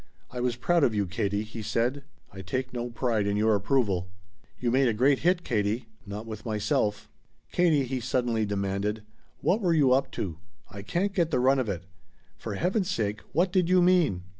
"I was proud of you, Katie," he said. "I take no pride in your approval!" "You made a great hit, Katie." "Not with myself." "Katie," he suddenly demanded, "what were you up to? I can't get the run of it. For heaven's sake, what did you mean?"